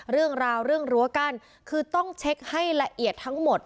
เรื่องราวเรื่องรั้วกั้นคือต้องเช็คให้ละเอียดทั้งหมด